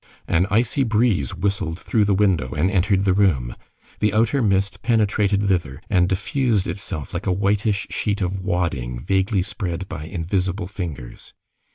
An icy breeze whistled through the window and entered the room. The outer mist penetrated thither and diffused itself like a whitish sheet of wadding vaguely spread by invisible fingers.